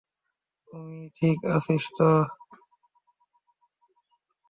তুই ঠিক আছিস তো?